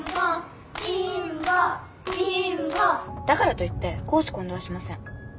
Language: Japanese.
だからといって公私混同はしません。